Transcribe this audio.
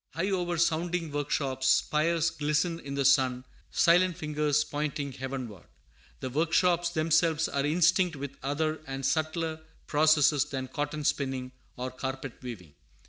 High over sounding workshops spires glisten in the sun, silent fingers pointing heavenward. The workshops themselves are instinct with other and subtler processes than cotton spinning or carpet weaving.